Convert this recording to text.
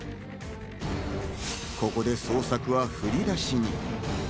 ここで捜索はふりだしに。